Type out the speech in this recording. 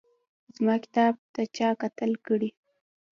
زما کتاب چا قتل کړی